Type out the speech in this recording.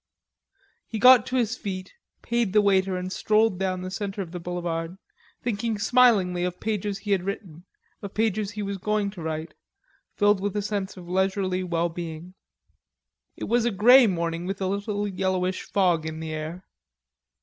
He got to his feet, paid the waiter and strolled down the center of the boulevard, thinking smilingly of pages he had written, of pages he was going to write, filled with a sense of leisurely well being. It was a grey morning with a little yellowish fog in the air.